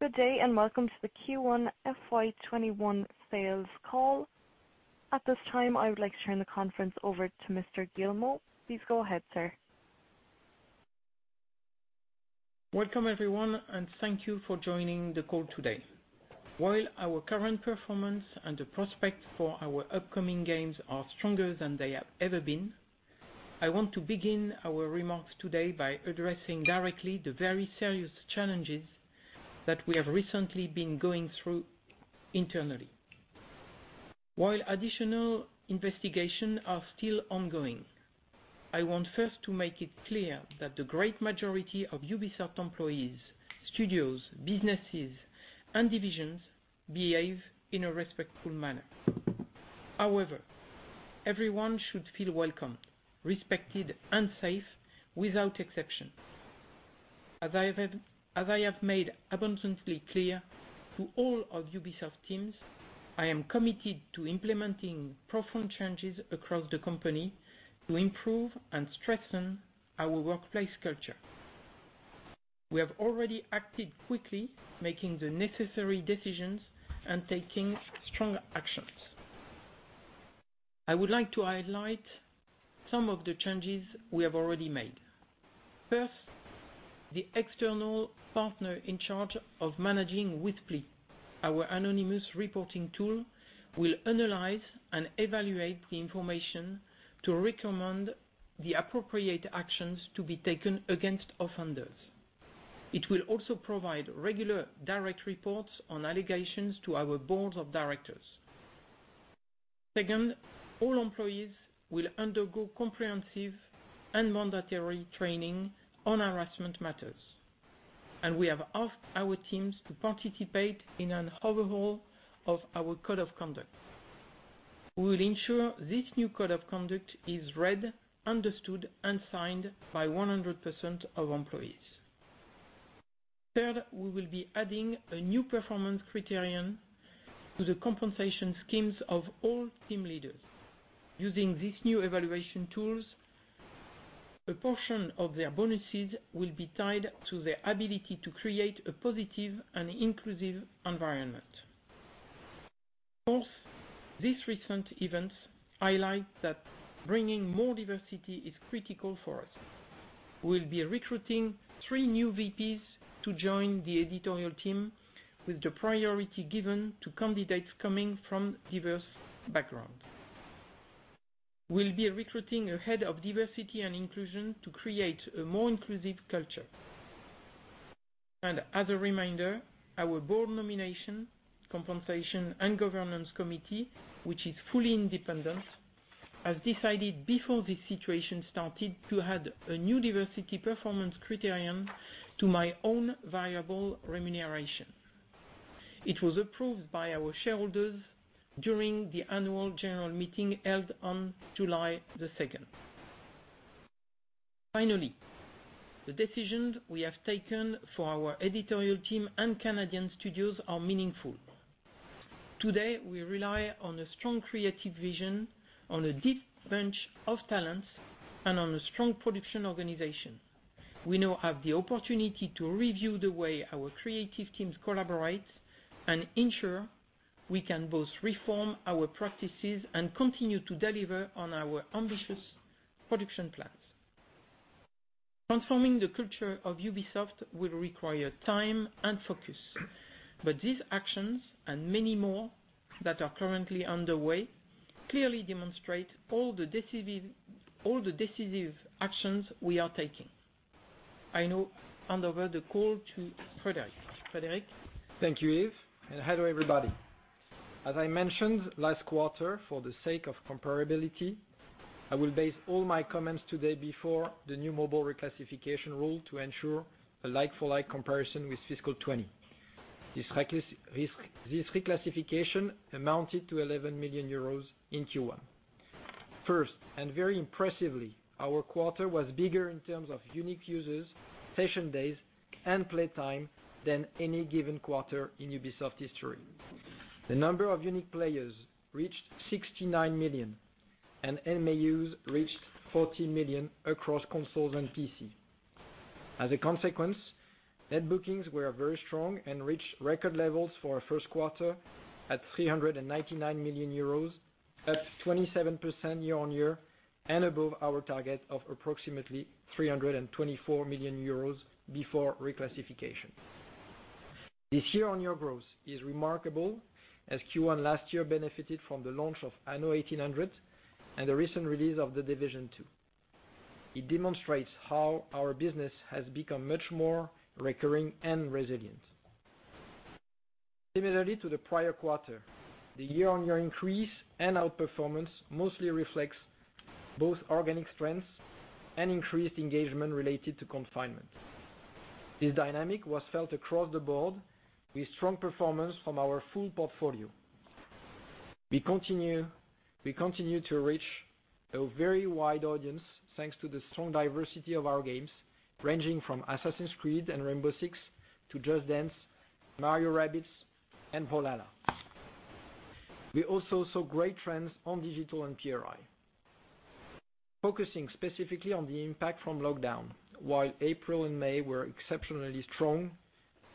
Good day, and welcome to the Q1 FY 2021 sales call. At this time, I would like to turn the conference over to Mr. Guillemot. Please go ahead, sir. Welcome everyone, and thank you for joining the call today. While our current performance and the prospect for our upcoming games are stronger than they have ever been, I want to begin our remarks today by addressing directly the very serious challenges that we have recently been going through internally. While additional investigations are still ongoing, I want first to make it clear that the great majority of Ubisoft employees, studios, businesses, and divisions behave in a respectful manner. However, everyone should feel welcome, respected, and safe without exception. As I have made abundantly clear to all of Ubisoft teams, I am committed to implementing profound changes across the company to improve and strengthen our workplace culture. We have already acted quickly, making the necessary decisions and taking strong actions. I would like to highlight some of the changes we have already made. First, the external partner in charge of managing Whispli, our anonymous reporting tool, will analyze and evaluate the information to recommend the appropriate actions to be taken against offenders. It will also provide regular direct reports on allegations to our board of directors. Second, all employees will undergo comprehensive and mandatory training on harassment matters, and we have asked our teams to participate in an overhaul of our code of conduct. We will ensure this new code of conduct is read, understood, and signed by 100% of employees. Third, we will be adding a new performance criterion to the compensation schemes of all team leaders. Using these new evaluation tools, a portion of their bonuses will be tied to their ability to create a positive and inclusive environment. Fourth, these recent events highlight that bringing more diversity is critical for us. We'll be recruiting 3 new VPs to join the editorial team with the priority given to candidates coming from diverse backgrounds. We'll be recruiting a head of diversity and inclusion to create a more inclusive culture. As a reminder, our board nomination, compensation, and governance committee, which is fully independent, has decided before this situation started to add a new diversity performance criterion to my own variable remuneration. It was approved by our shareholders during the annual general meeting held on July 2nd. The decisions we have taken for our editorial team and Canadian studios are meaningful. Today, we rely on a strong creative vision, on a deep bench of talents, and on a strong production organization. We now have the opportunity to review the way our creative teams collaborate and ensure we can both reform our practices and continue to deliver on our ambitious production plans. Transforming the culture of Ubisoft will require time and focus, but these actions and many more that are currently underway clearly demonstrate all the decisive actions we are taking. I now hand over the call to Frédérick. Frédérick? Thank you, Yves. Hello, everybody. As I mentioned last quarter, for the sake of comparability, I will base all my comments today before the new mobile reclassification rule to ensure a like-for-like comparison with fiscal 2020. This reclassification amounted to 11 million euros in Q1. First, very impressively, our quarter was bigger in terms of unique users, session days, and play time than any given quarter in Ubisoft history. The number of unique players reached 69 million, and MAUs reached 14 million across consoles and PC. As a consequence, net bookings were very strong and reached record levels for a first quarter at 399 million euros, up 27% year-on-year and above our target of approximately 324 million euros before reclassification. This year-on-year growth is remarkable as Q1 last year benefited from the launch of Anno 1800 and the recent release of The Division 2. It demonstrates how our business has become much more recurring and resilient. Similarly to the prior quarter, the year-on-year increase and outperformance mostly reflects both organic strengths and increased engagement related to confinement. This dynamic was felt across the board with strong performance from our full portfolio. We continue to reach a very wide audience, thanks to the strong diversity of our games, ranging from Assassin's Creed and Rainbow Six to Just Dance, Mario + Rabbids, and Valhalla. We also saw great trends on digital and PRI. Focusing specifically on the impact from lockdown. While April and May were exceptionally strong,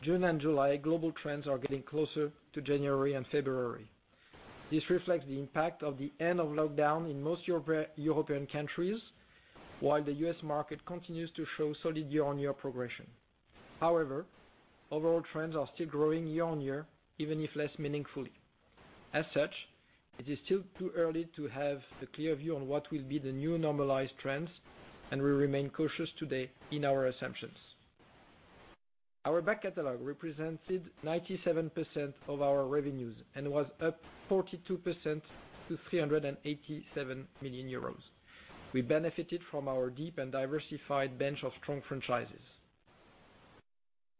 June and July global trends are getting closer to January and February. This reflects the impact of the end of lockdown in most European countries, while the U.S. market continues to show solid year-on-year progression. Overall trends are still growing year-on-year, even if less meaningfully. As such, it is still too early to have a clear view on what will be the new normalized trends, and we remain cautious today in our assumptions. Our back catalog represented 97% of our revenues and was up 42% to 387 million euros. We benefited from our deep and diversified bench of strong franchises.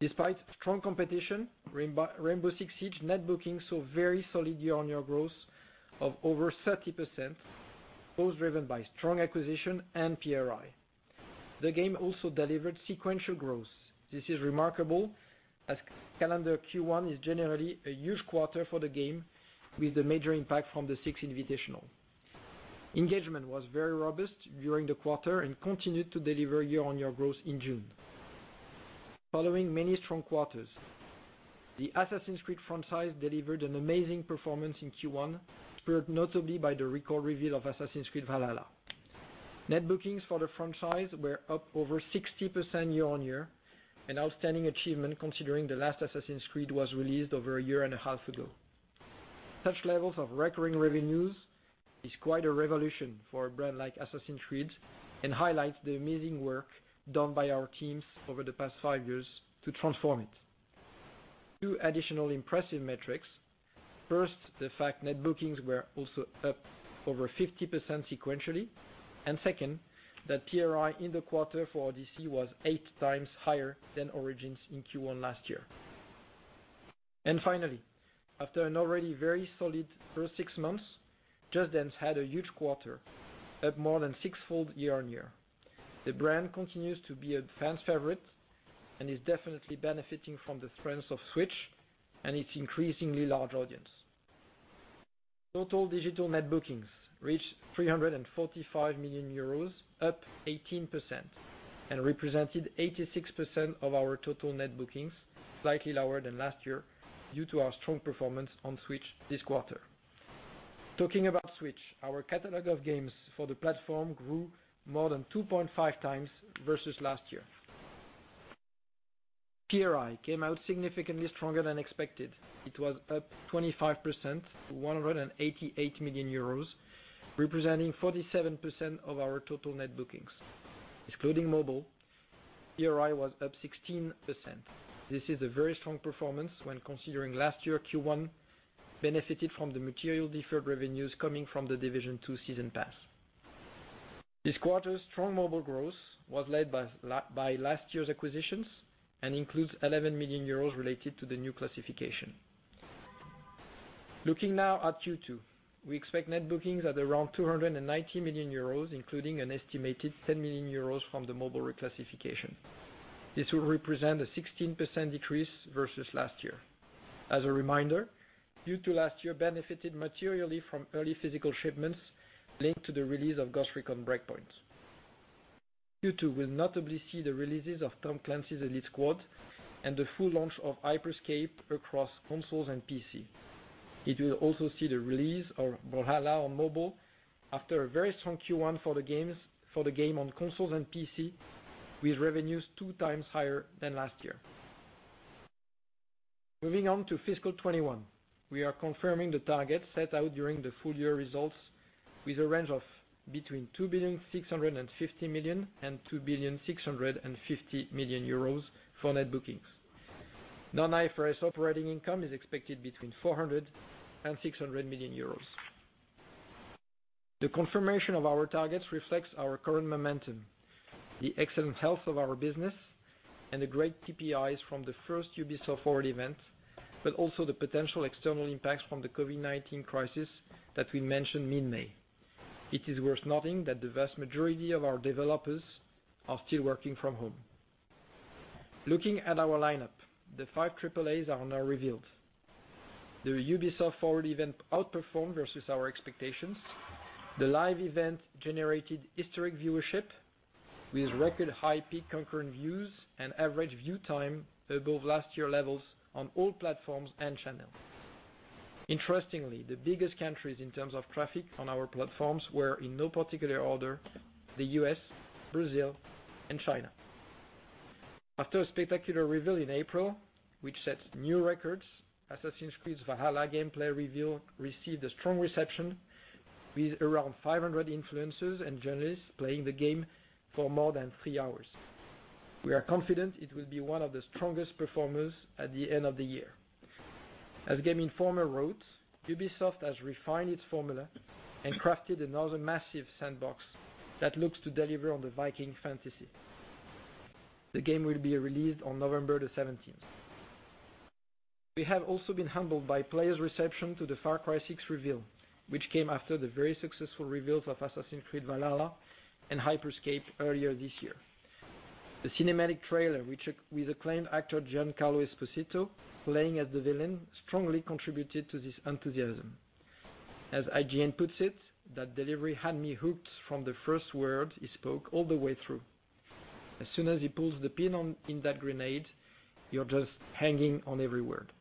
Despite strong competition, Rainbow Six Siege net booking saw very solid year-on-year growth of over 30%, both driven by strong acquisition and PRI. The game also delivered sequential growth. This is remarkable as calendar Q1 is generally a huge quarter for the game with the major impact from the Six Invitational. Engagement was very robust during the quarter and continued to deliver year-on-year growth in June. Following many strong quarters, the "Assassin's Creed" franchise delivered an amazing performance in Q1, spurred notably by the record reveal of "Assassin's Creed Valhalla." Net bookings for the franchise were up over 60% year-on-year, an outstanding achievement considering the last Assassin's Creed was released over a year and a half ago. Such levels of recurring revenues is quite a revolution for a brand like Assassin's Creed, and highlights the amazing work done by our teams over the past five years to transform it. Two additional impressive metrics. First, the fact net bookings were also up over 50% sequentially, and second, that PRI in the quarter for D.C. was 8 times higher than Origins in Q1 last year. Finally, after an already very solid first six months, "Just Dance" had a huge quarter, up more than 6-fold year-on-year. The brand continues to be a fan's favorite and is definitely benefiting from the strengths of Switch and its increasingly large audience. Total digital net bookings reached 345 million euros, up 18%, and represented 86% of our total net bookings, slightly lower than last year due to our strong performance on Switch this quarter. Talking about Switch, our catalog of games for the platform grew more than 2.5 times versus last year. PRI came out significantly stronger than expected. It was up 25% to 188 million euros, representing 47% of our total net bookings. Excluding mobile, PRI was up 16%. This is a very strong performance when considering last year Q1 benefited from the material deferred revenues coming from The Division 2 season pass. This quarter's strong mobile growth was led by last year's acquisitions and includes 11 million euros related to the new classification. Looking now at Q2, we expect net bookings at around 290 million euros, including an estimated 10 million euros from the mobile reclassification. This will represent a 16% decrease versus last year. As a reminder, Q2 last year benefited materially from early physical shipments linked to the release of Ghost Recon Breakpoint. Q2 will notably see the releases of Tom Clancy's Elite Squad and the full launch of Hyper Scape across consoles and PC. It will also see the release of Valhalla on mobile after a very strong Q1 for the game on consoles and PC, with revenues two times higher than last year. Moving on to fiscal 2021, we are confirming the target set out during the full-year results with a range of between 2,650 million and 2,660 million euros for net bookings. Non-IFRS operating income is expected between 400 million euros and 600 million euros. The confirmation of our targets reflects our current momentum, the excellent health of our business, and the great KPIs from the first Ubisoft Forward event, but also the potential external impacts from the COVID-19 crisis that we mentioned mid-May. It is worth noting that the vast majority of our developers are still working from home. Looking at our lineup, the five AAAs are now revealed. The Ubisoft Forward event outperformed versus our expectations. The live event generated historic viewership with record high peak concurrent views and average view time above last year levels on all platforms and channels. Interestingly, the biggest countries in terms of traffic on our platforms were, in no particular order, the U.S., Brazil, and China. After a spectacular reveal in April, which set new records, "Assassin's Creed Valhalla" gameplay reveal received a strong reception with around 500 influencers and journalists playing the game for more than three hours. We are confident it will be one of the strongest performers at the end of the year. As Game Informer wrote, "Ubisoft has refined its formula and crafted another massive sandbox that looks to deliver on the Viking fantasy." The game will be released on November the 17th. We have also been humbled by players' reception to the "Far Cry 6" reveal, which came after the very successful reveals of "Assassin's Creed Valhalla" and "Hyper Scape" earlier this year. The cinematic trailer with acclaimed actor Giancarlo Esposito playing as the villain strongly contributed to this enthusiasm. As IGN puts it, "That delivery had me hooked from the first word he spoke all the way through. As soon as he pulls the pin in that grenade, you're just hanging on every word.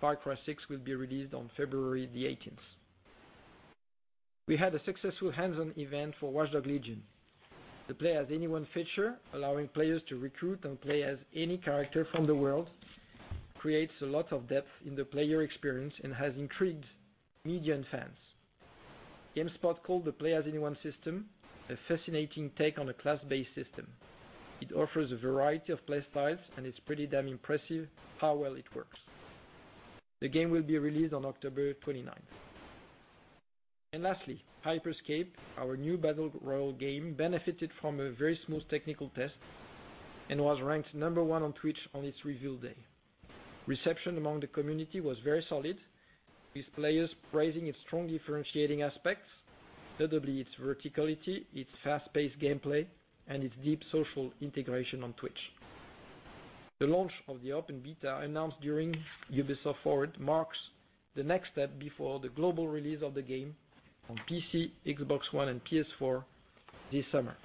Far Cry 6 will be released on February the 18th. We had a successful hands-on event for Watch Dogs: Legion. The Play As Anyone feature, allowing players to recruit and play as any character from the world, creates a lot of depth in the player experience and has intrigued media and fans. GameSpot called the Play As Anyone system "a fascinating take on a class-based system. It offers a variety of play styles, and it's pretty damn impressive how well it works." The game will be released on October 29th. Lastly, Hyper Scape, our new battle royale game, benefited from a very smooth technical test and was ranked number one on Twitch on its reveal day. Reception among the community was very solid, with players praising its strong differentiating aspects, notably its verticality, its fast-paced gameplay, and its deep social integration on Twitch. The launch of the open beta announced during Ubisoft Forward marks the next step before the global release of the game on PC, Xbox One, and PS4 this summer.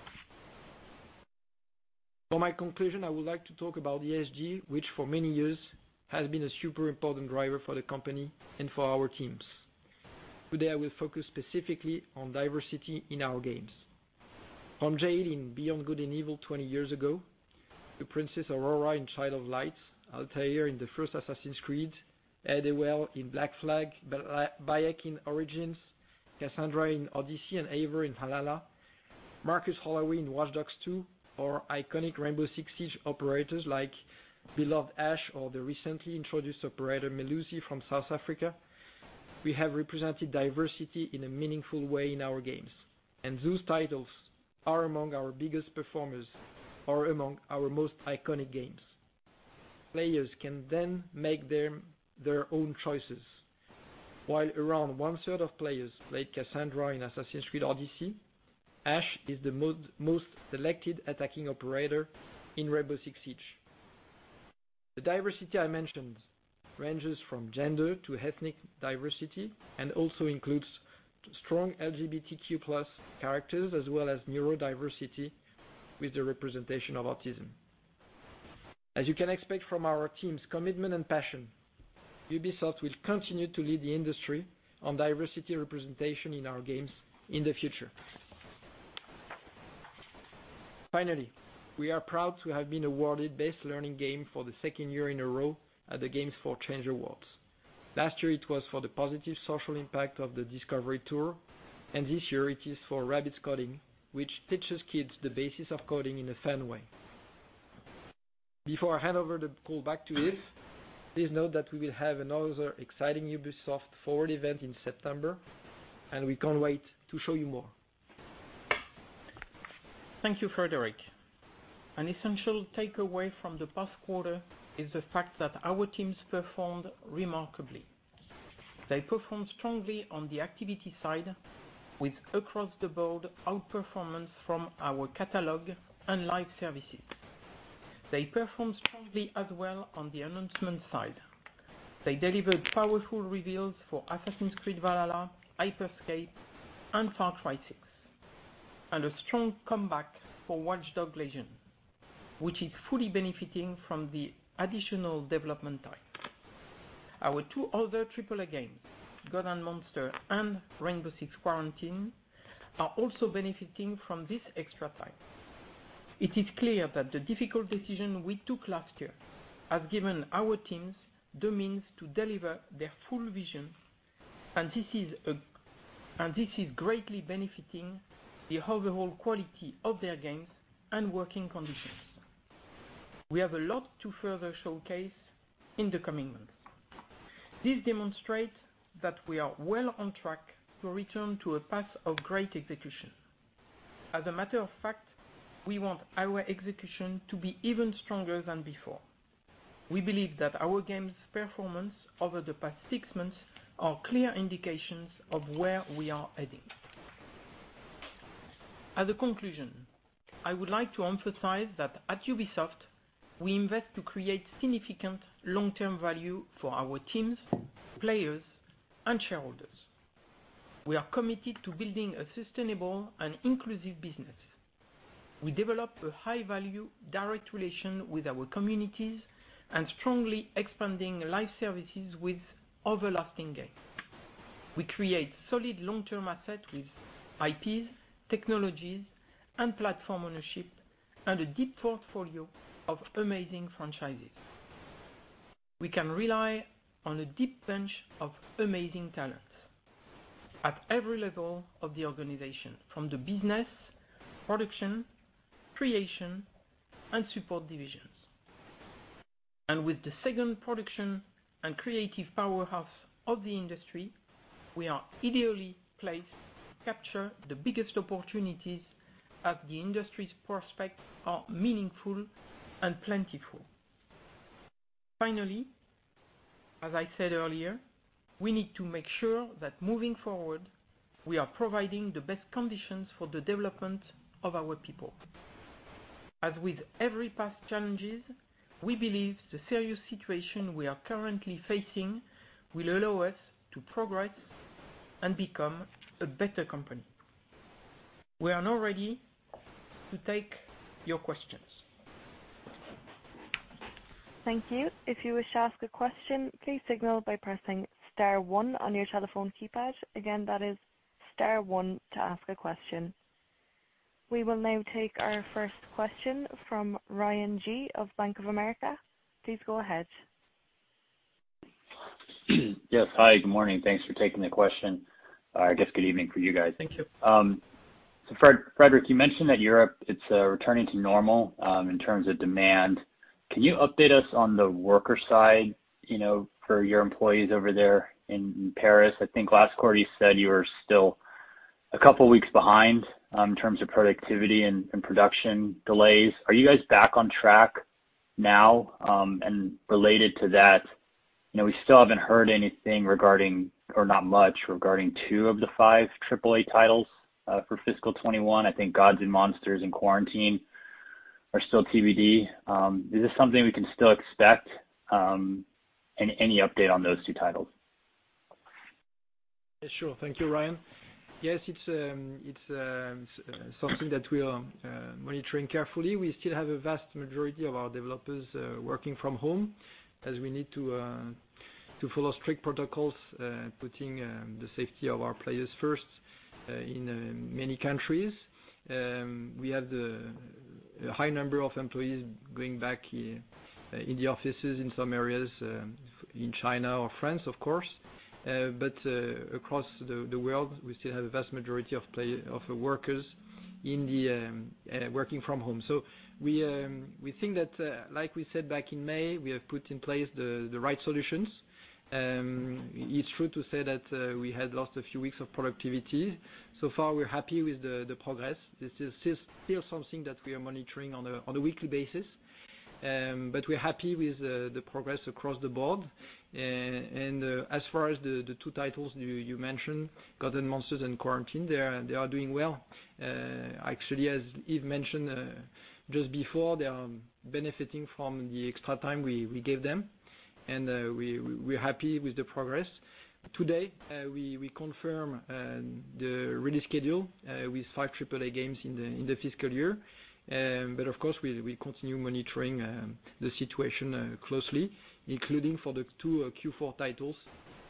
For my conclusion, I would like to talk about ESG, which for many years has been a super important driver for the company and for our teams. Today, I will focus specifically on diversity in our games. From Jade in Beyond Good & Evil 20 years ago, to Princess Aurora in Child of Light, Altaïr in the first Assassin's Creed, Adéwalé in Black Flag, Bayek in Origins, Kassandra in Odyssey, and Eivor in Valhalla, Marcus Holloway in Watch Dogs 2, or iconic Rainbow Six Siege operators like beloved Ash or the recently introduced operator Melusi from South Africa, we have represented diversity in a meaningful way in our games. Those titles are among our biggest performers, are among our most iconic games. Players can then make their own choices. While around one-third of players played Kassandra in Assassin's Creed Odyssey, Ash is the most selected attacking operator in Rainbow Six Siege. The diversity I mentioned ranges from gender to ethnic diversity and also includes strong LGBTQ+ characters as well as neurodiversity with the representation of autism. As you can expect from our team's commitment and passion, Ubisoft will continue to lead the industry on diversity representation in our games in the future. Finally, we are proud to have been awarded Best Learning Game for the second year in a row at the Games for Change Awards. Last year it was for the positive social impact of the Discovery Tour, and this year it is for Rabbids Coding, which teaches kids the basics of coding in a fun way. Before I hand over the call back to Yves, please note that we will have another exciting Ubisoft Forward event in September, and we can't wait to show you more. Thank you, Frédérick. An essential takeaway from the past quarter is the fact that our teams performed remarkably. They performed strongly on the activity side with across-the-board outperformance from our catalog and live services. They performed strongly as well on the announcement side. They delivered powerful reveals for Assassin's Creed Valhalla, Hyper Scape, and Far Cry 6, and a strong comeback for Watch Dogs: Legion, which is fully benefiting from the additional development time. Our two other AAA games, Gods & Monsters and Rainbow Six Quarantine, are also benefiting from this extra time. It is clear that the difficult decision we took last year has given our teams the means to deliver their full vision, and this is greatly benefiting the overall quality of their games and working conditions. We have a lot to further showcase in the coming months. This demonstrates that we are well on track to return to a path of great execution. As a matter of fact, we want our execution to be even stronger than before. We believe that our games' performance over the past six months are clear indications of where we are heading. As a conclusion, I would like to emphasize that at Ubisoft, we invest to create significant long-term value for our teams, players, and shareholders. We are committed to building a sustainable and inclusive business. We develop a high-value direct relation with our communities and strongly expanding live services with everlasting games. We create solid long-term assets with IPs, technologies, and platform ownership, and a deep portfolio of amazing franchises. We can rely on a deep bench of amazing talents at every level of the organization, from the business, production, creation, and support divisions. With the second production and creative powerhouse of the industry, we are ideally placed to capture the biggest opportunities as the industry's prospects are meaningful and plentiful. Finally, as I said earlier, we need to make sure that moving forward, we are providing the best conditions for the development of our people. As with every past challenges, we believe the serious situation we are currently facing will allow us to progress and become a better company. We are now ready to take your questions. Thank you. If you wish to ask a question, please signal by pressing star one on your telephone keypad. Again, that is star one to ask a question. We will now take our first question from Ryan Gee of Bank of America. Please go ahead. Yes. Hi, good morning. Thanks for taking the question. I guess good evening for you guys. Thank you. Frédérick, you mentioned that Europe, it's returning to normal in terms of demand. Can you update us on the worker side for your employees over there in Paris? I think last quarter you said you were still a couple of weeks behind in terms of productivity and production delays. Are you guys back on track now? Related to that, we still haven't heard anything regarding, or not much regarding two of the five AAA titles for fiscal 2021. I think Gods & Monsters and Quarantine are still TBD. Is this something we can still expect? Any update on those two titles? Thank you, Ryan. It's something that we are monitoring carefully. We still have a vast majority of our developers working from home as we need to follow strict protocols, putting the safety of our players first in many countries. We have the high number of employees going back in the offices in some areas, in China or France, of course. Across the world, we still have a vast majority of workers working from home. We think that, like we said back in May, we have put in place the right solutions. It's true to say that we had lost a few weeks of productivity. So far, we're happy with the progress. This is still something that we are monitoring on a weekly basis. We're happy with the progress across the board. As far as the two titles you mentioned, "Gods & Monsters" and "Quarantine," they are doing well. Actually, as Yves mentioned just before, they are benefiting from the extra time we gave them, and we're happy with the progress. Today, we confirm the release schedule with five AAA games in the fiscal year. Of course, we continue monitoring the situation closely, including for the two Q4 titles,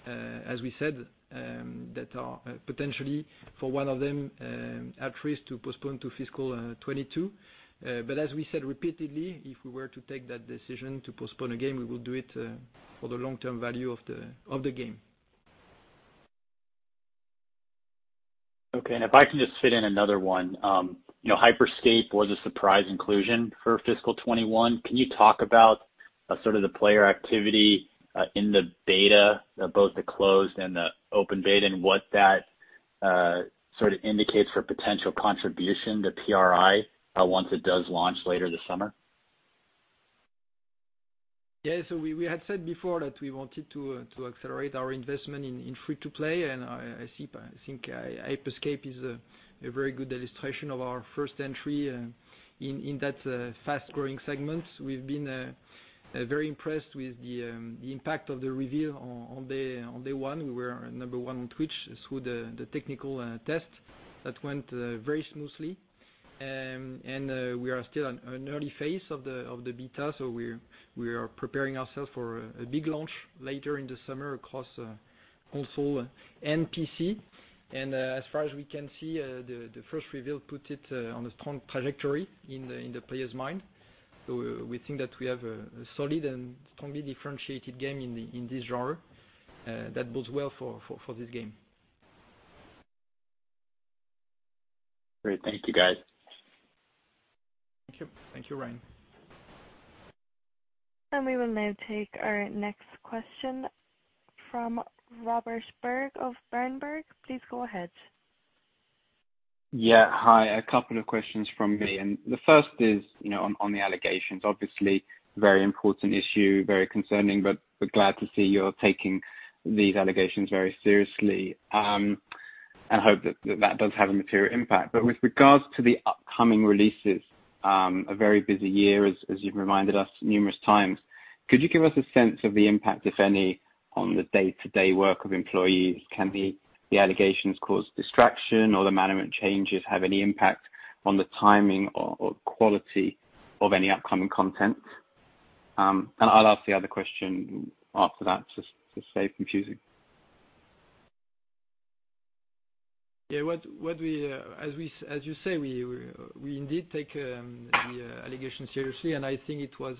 as we said, that are potentially for one of them, at risk to postpone to fiscal 2022. As we said repeatedly, if we were to take that decision to postpone a game, we will do it for the long-term value of the game. Okay. If I can just fit in another one. Hyper Scape was a surprise inclusion for FY 2021. Can you talk about sort of the player activity in the beta, both the closed and the open beta, and what that sort of indicates for potential contribution to PRI once it does launch later this summer? We had said before that we wanted to accelerate our investment in free to play, I think Hyper Scape is a very good illustration of our first entry in that fast-growing segment. We've been very impressed with the impact of the reveal on day one. We were number one on Twitch through the technical test that went very smoothly. We are still on an early phase of the beta, we are preparing ourselves for a big launch later in the summer across console and PC. As far as we can see, the first reveal put it on a strong trajectory in the player's mind. We think that we have a solid and strongly differentiated game in this genre that bodes well for this game. Great. Thank you guys. Thank you, Ryan. We will now take our next question from Robert Berg of Berenberg. Please go ahead. Yeah. Hi. A couple of questions from me. The first is on the allegations, obviously very important issue, very concerning. Glad to see you're taking these allegations very seriously. I hope that that does have a material impact. With regards to the upcoming releases, a very busy year, as you've reminded us numerous times, could you give us a sense of the impact, if any, on the day-to-day work of employees? Can the allegations cause distraction or the management changes have any impact on the timing or quality of any upcoming content? I'll ask the other question after that to save confusing. Yeah. As you say, we indeed take the allegation seriously, I think it was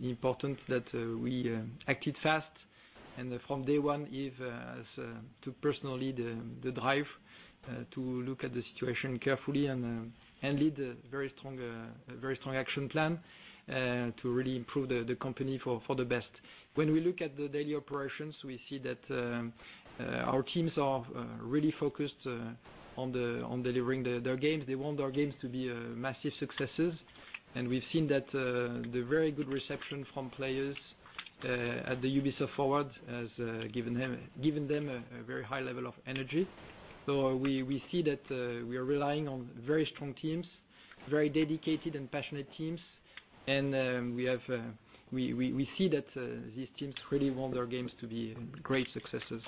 important that we acted fast. From day one, Yves took personal lead, the drive to look at the situation carefully and lead a very strong action plan to really improve the company for the best. When we look at the daily operations, we see that our teams are really focused on delivering their games. They want their games to be massive successes. We've seen that the very good reception from players at the Ubisoft Forward has given them a very high level of energy. We see that we are relying on very strong teams, very dedicated and passionate teams. We see that these teams really want their games to be great successes.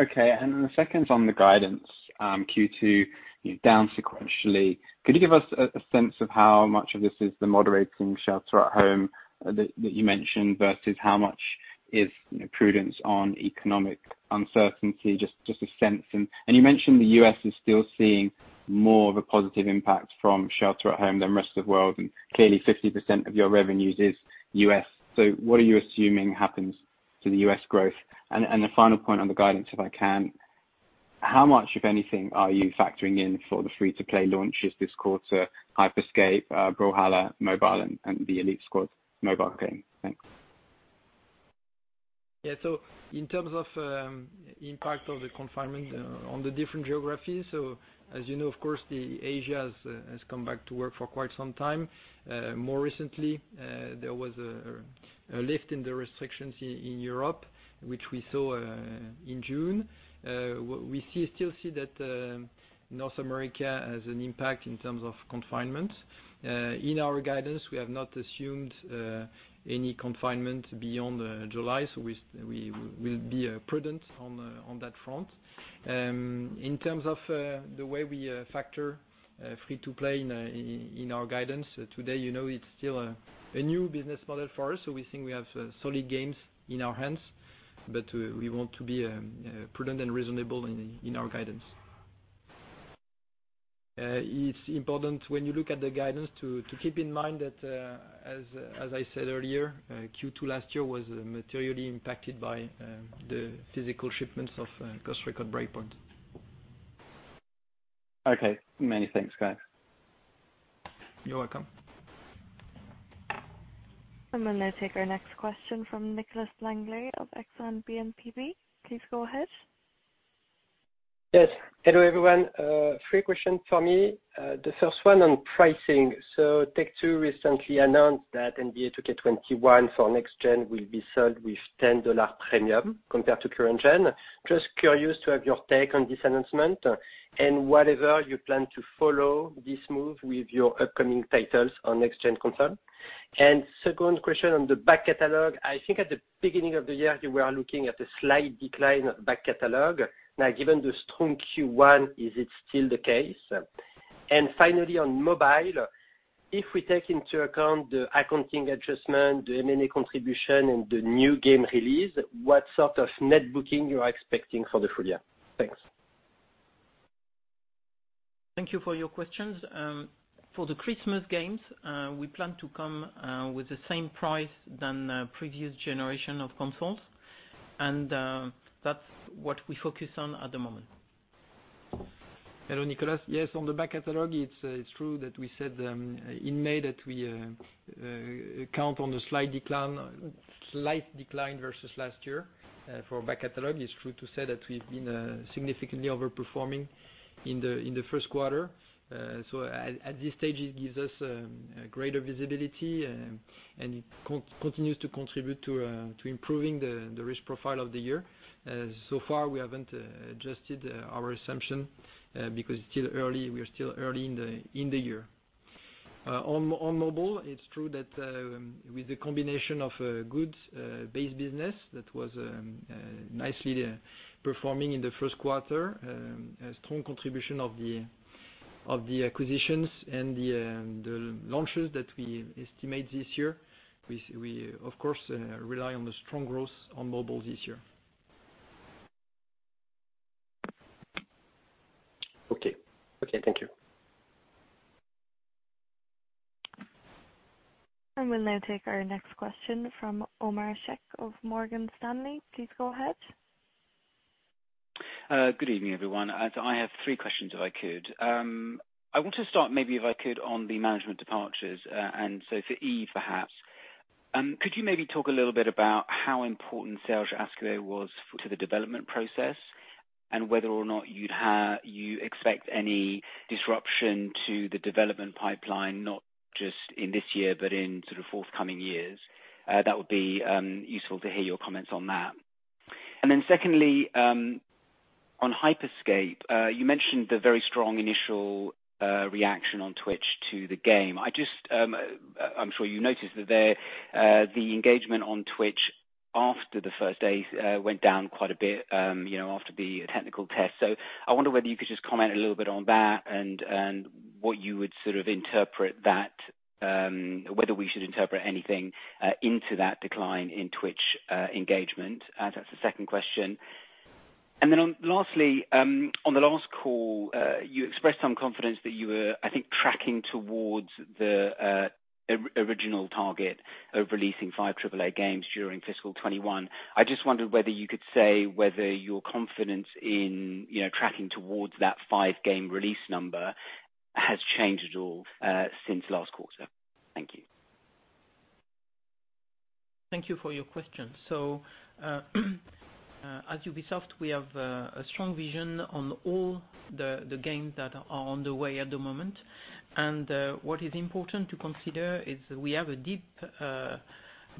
Okay. The second's on the guidance. Q2 down sequentially. Could you give us a sense of how much of this is the moderating shelter at home that you mentioned versus how much is prudence on economic uncertainty? Just a sense. You mentioned the U.S. is still seeing more of a positive impact from shelter at home than rest of the world, and clearly 50% of your revenues is U.S. What are you assuming happens to the U.S. growth? The final point on the guidance, if I can, how much, if anything, are you factoring in for the free-to-play launches this quarter, Hyper Scape, Brawlhalla mobile and the Elite Squad mobile game? Thanks. Yeah. In terms of impact of the confinement on the different geographies, so as you know, of course, the Asia has come back to work for quite some time. More recently, there was a lift in the restrictions in Europe, which we saw in June. We still see that North America has an impact in terms of confinement. In our guidance, we have not assumed any confinement beyond July, so we will be prudent on that front. In terms of the way we factor free-to-play in our guidance, today it's still a new business model for us, so we think we have solid games in our hands, but we want to be prudent and reasonable in our guidance. It's important when you look at the guidance to keep in mind that, as I said earlier, Q2 last year was materially impacted by the physical shipments of Ghost Recon Breakpoint. Okay. Many thanks, guys. You're welcome. I'm going to take our next question from Nicolas Langlet of Exane BNP Paribas. Please go ahead. Hello, everyone. Three question from me. The first one on pricing. Take-Two recently announced that NBA 2K21 for next gen will be sold with $10 premium compared to current gen. Just curious to have your take on this announcement and whatever you plan to follow this move with your upcoming titles on next gen console. Second question on the back catalog. I think at the beginning of the year, you were looking at a slight decline of back catalog. Now, given the strong Q1, is it still the case? Finally, on mobile, if we take into account the accounting adjustment, the M&A contribution and the new game release, what sort of net booking you are expecting for the full year? Thanks. Thank you for your questions. For the Christmas games, we plan to come with the same price than previous generation of consoles, and that's what we focus on at the moment. Hello, Nicholas. Yes, on the back catalog, it's true that we said in May that we count on a slight decline versus last year for back catalog. It's true to say that we've been significantly overperforming in the first quarter. At this stage, it gives us greater visibility, and it continues to contribute to improving the risk profile of the year. So far we haven't adjusted our assumption because we are still early in the year. On mobile, it's true that with the combination of a good base business that was nicely performing in the first quarter, a strong contribution of the acquisitions and the launches that we estimate this year. We, of course, rely on the strong growth on mobile this year. Okay. Thank you. We'll now take our next question from Omar Sheikh of Morgan Stanley. Please go ahead. Good evening, everyone. I have three questions, if I could. I want to start maybe if I could, on the management departures. For Yves, perhaps. Could you maybe talk a little bit about how important Serge Hascoët was to the development process and whether or not you expect any disruption to the development pipeline not just in this year but in sort of forthcoming years? That would be useful to hear your comments on that. Secondly, on Hyper Scape, you mentioned the very strong initial reaction on Twitch to the game. I'm sure you noticed that the engagement on Twitch after the first day went down quite a bit after the technical test. I wonder whether you could just comment a little bit on that and what you would sort of interpret that, whether we should interpret anything into that decline in Twitch engagement. That's the second question. Lastly, on the last call, you expressed some confidence that you were, I think, tracking towards the original target of releasing 5 AAA games during fiscal 2021. I just wondered whether you could say whether your confidence in tracking towards that five-game release number has changed at all since last quarter. Thank you. Thank you for your question. At Ubisoft, we have a strong vision on all the games that are on the way at the moment. What is important to consider is we have a deep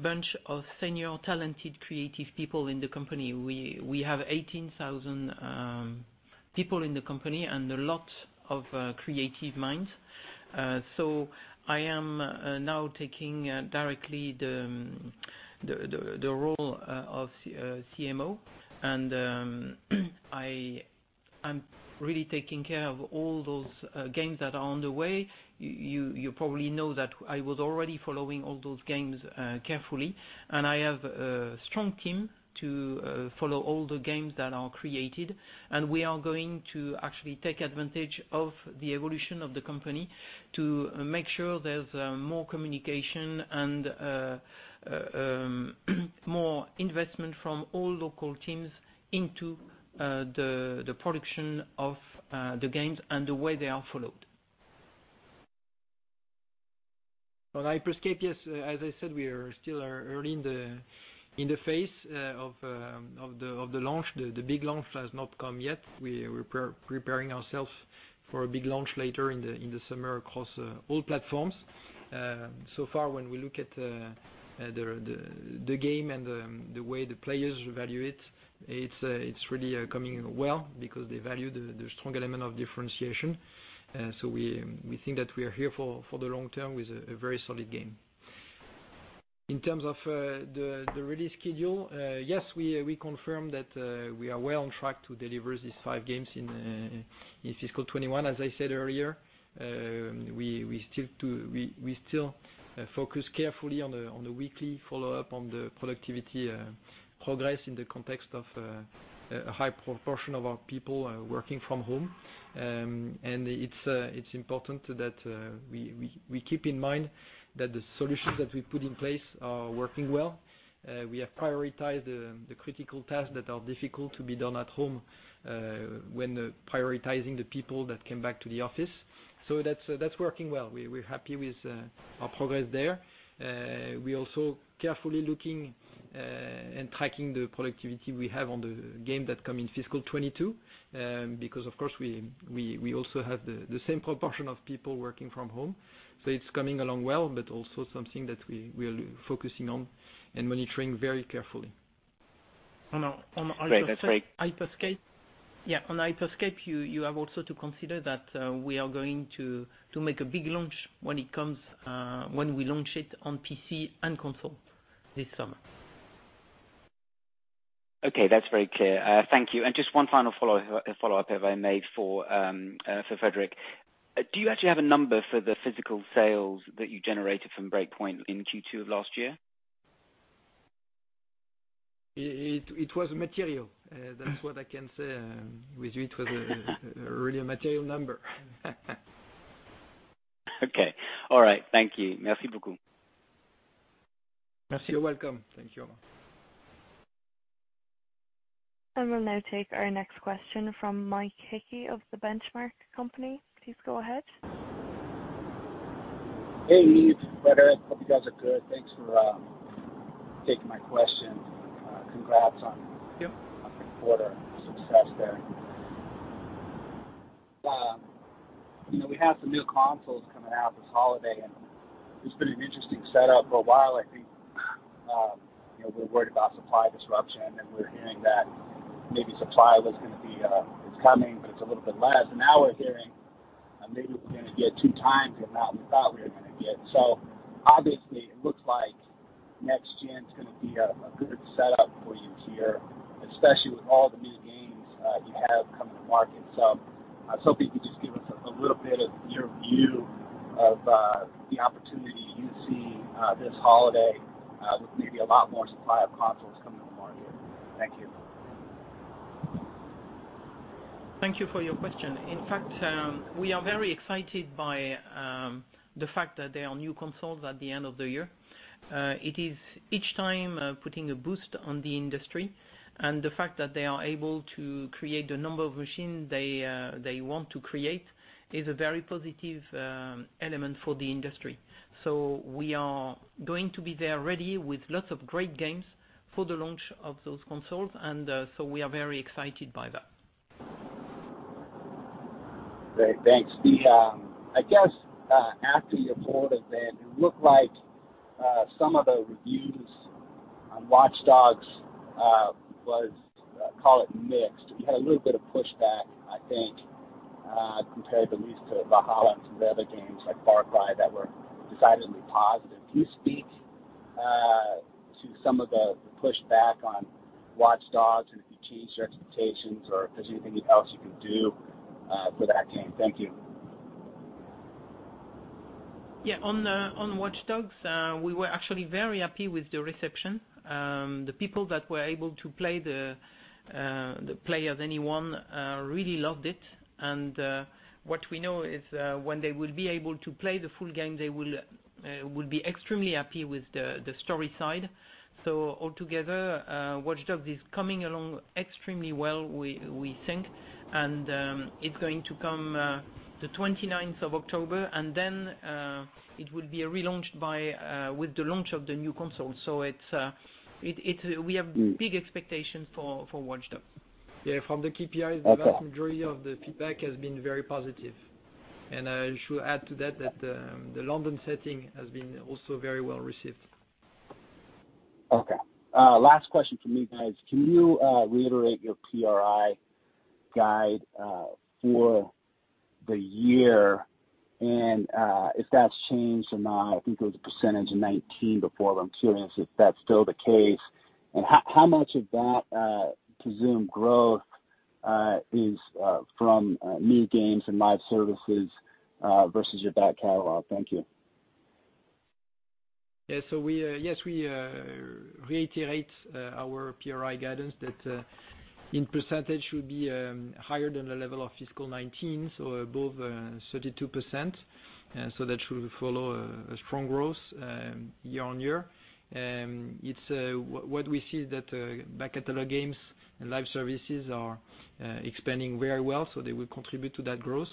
bunch of senior talented, creative people in the company. We have 18,000 people in the company and lots of creative minds. I am now taking directly the role of CCO, and I'm really taking care of all those games that are on the way. You probably know that I was already following all those games carefully, and I have a strong team to follow all the games that are created. We are going to actually take advantage of the evolution of the company to make sure there's more communication and more investment from all local teams into the production of the games and the way they are followed. On "Hyper Scape," yes, as I said, we are still early in the phase of the launch. The big launch has not come yet. We're preparing ourselves for a big launch later in the summer across all platforms. So far, when we look at the game and the way the players value it's really coming well because they value the strong element of differentiation. We think that we are here for the long term with a very solid game. In terms of the release schedule, yes, we confirm that we are well on track to deliver these five games in fiscal 2021. As I said earlier, we still focus carefully on the weekly follow-up on the productivity progress in the context of a high proportion of our people working from home. It's important that we keep in mind that the solutions that we put in place are working well. We have prioritized the critical tasks that are difficult to be done at home when prioritizing the people that came back to the office. That's working well. We're happy with our progress there. We're also carefully looking and tracking the productivity we have on the game that come in fiscal 2022. Because of course, we also have the same proportion of people working from home. It's coming along well, but also something that we're focusing on and monitoring very carefully. Great. That's great. Yeah, on Hyper Scape you have also to consider that we are going to make a big launch when we launch it on PC and console this summer. Okay, that's very clear. Thank you. Just one final follow-up if I may for Frédérick. Do you actually have a number for the physical sales that you generated from Breakpoint in Q2 of last year? It was material. That's what I can say. It was really a material number. Okay. All right. Thank you. You're welcome. Thank you. We'll now take our next question from Mike Hickey of The Benchmark Company. Please go ahead. Hey, Yves, Frédérick. Hope you guys are good. Thanks for taking my question. Thank you. on the quarter success there. We have some new consoles coming out this holiday. It's been an interesting setup for a while. I think we're worried about supply disruption, and we're hearing that maybe supply it's coming, but it's a little bit less. Now we're hearing maybe we're going to get two times the amount we thought we were going to get. Obviously it looks like next gen's going to be a good setup for you here, especially with all the new games you have coming to market. I was hoping you could just give us a little bit of your view of the opportunity you see this holiday, with maybe a lot more supply of consoles coming to the market. Thank you. Thank you for your question. In fact, we are very excited by the fact that there are new consoles at the end of the year. It is each time putting a boost on the industry. The fact that they are able to create the number of machines they want to create is a very positive element for the industry. We are going to be there ready with lots of great games for the launch of those consoles. We are very excited by that. Great. Thanks. I guess after your quarter, it looked like some of the reviews on Watch Dogs was, call it mixed. You had a little bit of pushback, I think, compared at least to Valhalla and some of the other games like Far Cry that were decidedly positive. Can you speak to some of the pushback on Watch Dogs and if you changed your expectations or if there's anything else you can do for that game? Thank you. On "Watch Dogs," we were actually very happy with the reception. The people that were able to play the Play as Anyone really loved it. What we know is when they will be able to play the full game, they will be extremely happy with the story side. Altogether, "Watch Dogs" is coming along extremely well, we think, and it's going to come the 29th of October. It will be relaunched with the launch of the new console. We have big expectations for "Watch Dogs". Yeah, from the KPIs. Okay The vast majority of the feedback has been very positive. I should add to that the London setting has been also very well received. Okay. Last question from me, guys. Can you reiterate your PRI guide for the year and if that's changed or not? I think it was a percentage in 2019 before, but I'm curious if that's still the case, and how much of that presumed growth is from new games and live services versus your back catalog? Thank you. Yes, we reiterate our PRI guidance that in percentage should be higher than the level of fiscal 2019, so above 32%. That should follow a strong growth year-on-year. What we see is that back catalog games and live services are expanding very well, so they will contribute to that growth.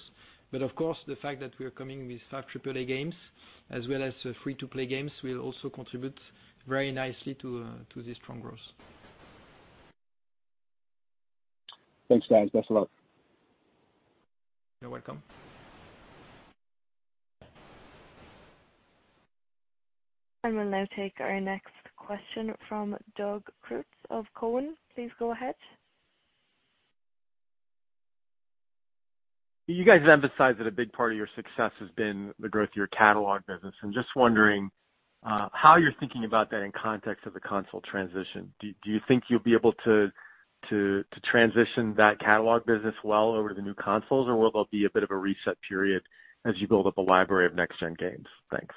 Of course, the fact that we are coming with five AAA games as well as free-to-play games, will also contribute very nicely to this strong growth. Thanks, guys. That's all. You're welcome. We'll now take our next question from Doug Creutz of Cowen. Please go ahead. You guys emphasized that a big part of your success has been the growth of your catalog business. I'm just wondering how you're thinking about that in context of the console transition. Do you think you'll be able to transition that catalog business well over the new consoles, or will there be a bit of a reset period as you build up a library of next-gen games? Thanks.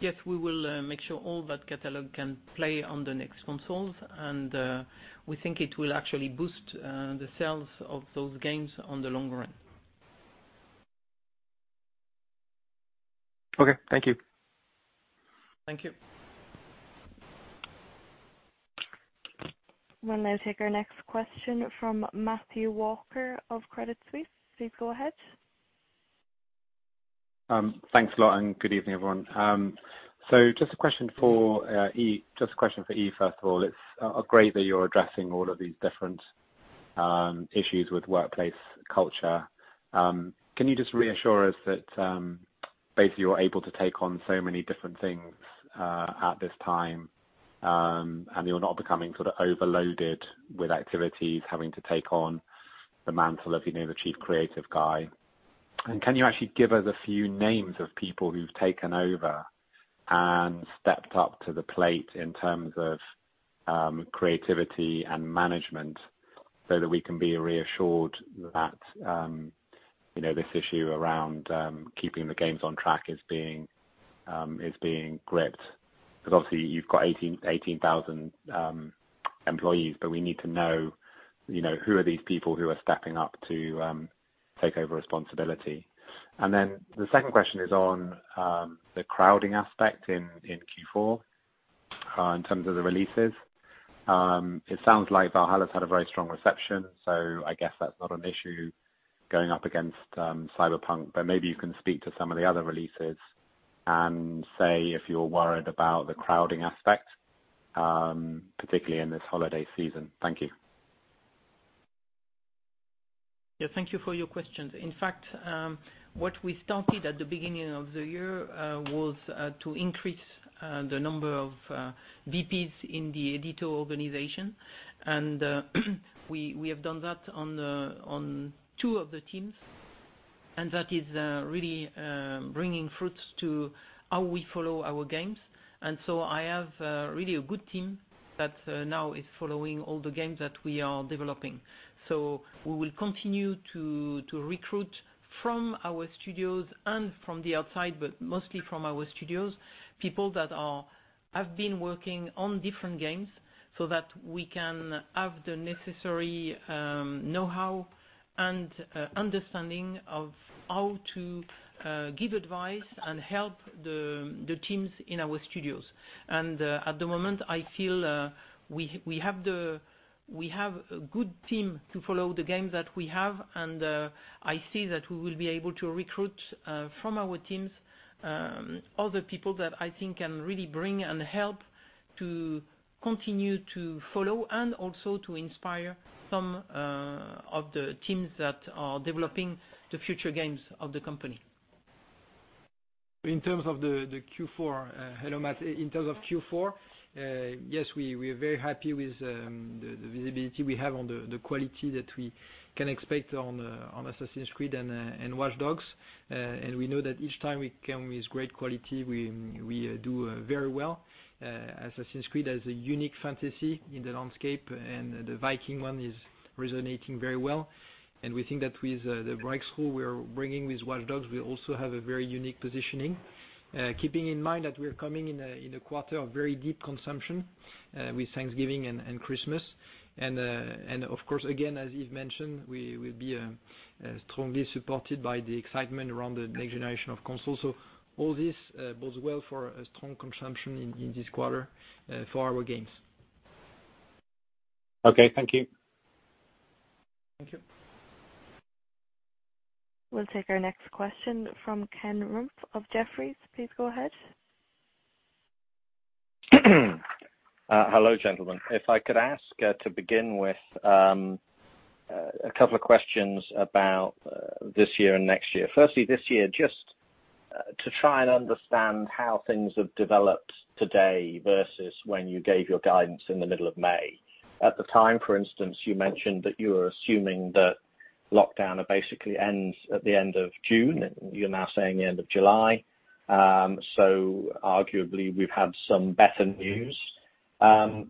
Yes, we will make sure all that catalog can play on the next consoles, and we think it will actually boost the sales of those games on the long run. Okay. Thank you. Thank you. We'll now take our next question from Matthew Walker of Credit Suisse. Please go ahead. Thanks a lot. Good evening, everyone. Just a question for Yves, first of all. It's great that you're addressing all of these different issues with workplace culture. Can you just reassure us that, basically, you're able to take on so many different things at this time, and you're not becoming sort of overloaded with activities, having to take on the mantle of the Chief Creative Officer? Can you actually give us a few names of people who've taken over and stepped up to the plate in terms of creativity and management so that we can be reassured that this issue around keeping the games on track is being gripped? Obviously you've got 18,000 employees, but we need to know, who are these people who are stepping up to take over responsibility. Then the second question is on the crowding aspect in Q4, in terms of the releases. It sounds like Valhalla has had a very strong reception, so I guess that's not an issue going up against Cyberpunk, but maybe you can speak to some of the other releases and say if you're worried about the crowding aspect, particularly in this holiday season. Thank you. Yeah. Thank you for your questions. In fact, what we started at the beginning of the year was to increase the number of VPs in the editorial organization. We have done that on two of the teams, and that is really bringing fruits to how we follow our games. I have really a good team that now is following all the games that we are developing. We will continue to recruit from our studios and from the outside, but mostly from our studios, people that have been working on different games so that we can have the necessary knowhow and understanding of how to give advice and help the teams in our studios. At the moment, I feel we have a good team to follow the games that we have, and I see that we will be able to recruit from our teams other people that I think can really bring and help to continue to follow and also to inspire some of the teams that are developing the future games of the company. In terms of the Q4, hello, Matt. In terms of Q4, yes, we are very happy with the visibility we have on the quality that we can expect on "Assassin's Creed" and "Watch Dogs." We know that each time we come with great quality, we do very well. "Assassin's Creed" has a unique fantasy in the landscape, the Viking one is resonating very well. We think that with the breakthrough we are bringing with "Watch Dogs," we also have a very unique positioning. Keeping in mind that we're coming in a quarter of very deep consumption with Thanksgiving and Christmas. Of course, again, as Yves mentioned, we will be strongly supported by the excitement around the next generation of consoles. All this bodes well for a strong consumption in this quarter for our games. Okay, thank you. Thank you. We'll take our next question from Ken Rump of Jefferies. Please go ahead. Hello, gentlemen. If I could ask to begin with a couple of questions about this year and next year. Firstly, this year, just to try and understand how things have developed today versus when you gave your guidance in the middle of May. At the time, for instance, you mentioned that you were assuming the lockdown basically ends at the end of June, and you're now saying the end of July. Arguably, we've had some better news. As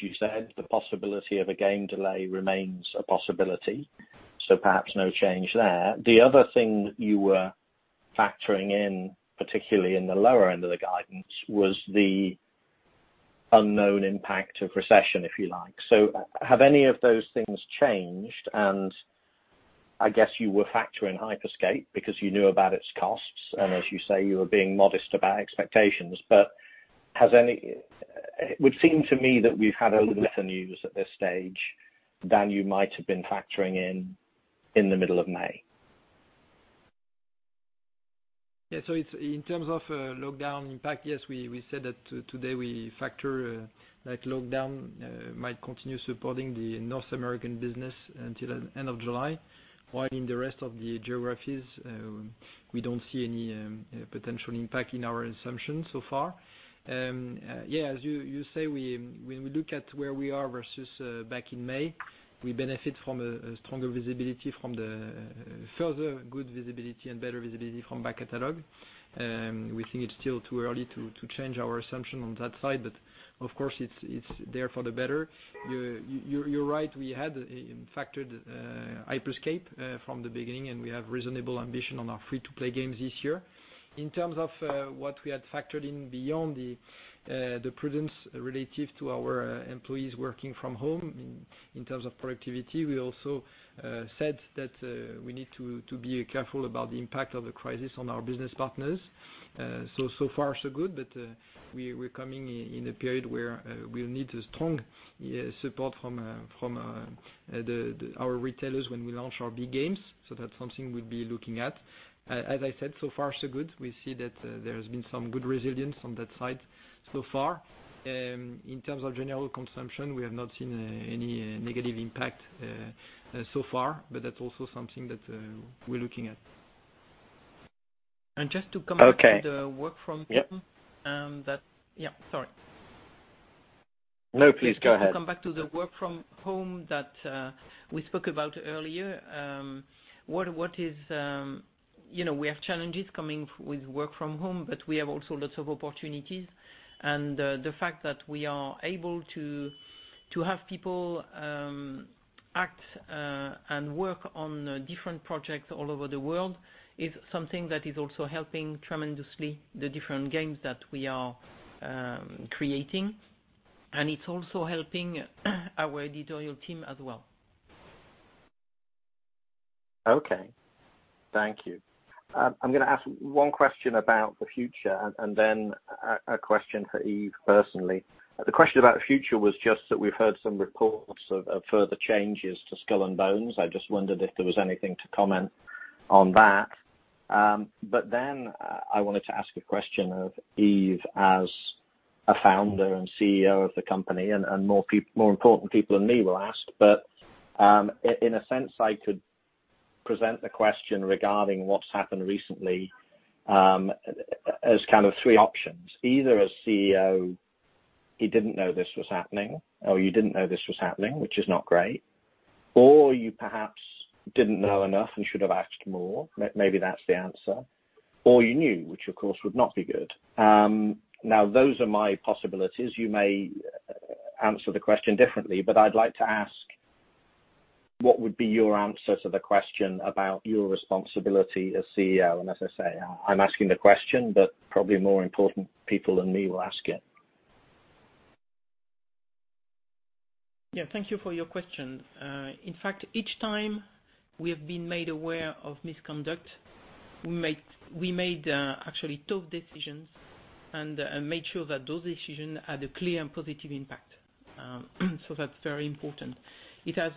you said, the possibility of a game delay remains a possibility, perhaps no change there. The other thing that you were factoring in, particularly in the lower end of the guidance, was the unknown impact of recession, if you like. Have any of those things changed? I guess you were factoring Hyper Scape because you knew about its costs, and as you say, you were being modest about expectations. It would seem to me that we've had a little better news at this stage than you might have been factoring in the middle of May. In terms of lockdown impact, yes, we said that today we factor that lockdown might continue supporting the North American business until the end of July. While in the rest of the geographies, we don't see any potential impact in our assumption so far. As you say, when we look at where we are versus back in May, we benefit from a stronger visibility from the further good visibility and better visibility from back catalog. We think it's still too early to change our assumption on that side, but of course, it's there for the better. You're right, we had factored Hyper Scape from the beginning, and we have reasonable ambition on our free-to-play games this year. In terms of what we had factored in beyond the prudence relative to our employees working from home in terms of productivity, we also said that we need to be careful about the impact of the crisis on our business partners. Far so good, but we're coming in a period where we'll need strong support from our retailers when we launch our big games. That's something we'll be looking at. As I said, so far so good. We see that there has been some good resilience on that side so far. In terms of general consumption, we have not seen any negative impact so far, but that's also something that we're looking at. Okay. just to come back to the work from home- Yep Yeah, sorry. No, please go ahead. Just to come back to the work from home that we spoke about earlier. We have challenges coming with work from home, we have also lots of opportunities. The fact that we are able to have people act and work on different projects all over the world is something that is also helping tremendously the different games that we are creating. It's also helping our editorial team as well. Okay. Thank you. I'm going to ask one question about the future and then a question for Yves personally. The question about the future was just that we've heard some reports of further changes to Skull and Bones. I just wondered if there was anything to comment on that. I wanted to ask a question of Yves as a founder and CEO of the company, and more important people than me will ask, but in a sense, I could present the question regarding what's happened recently as kind of three options. Either as CEO, he didn't know this was happening, or you didn't know this was happening, which is not great. You perhaps didn't know enough and should have asked more, maybe that's the answer. You knew, which of course would not be good. Those are my possibilities. You may answer the question differently, but I'd like to ask what would be your answer to the question about your responsibility as CEO? As I say, I'm asking the question, but probably more important people than me will ask it. Yeah. Thank you for your question. In fact, each time we have been made aware of misconduct, we made actually tough decisions and made sure that those decisions had a clear and positive impact. That's very important. It has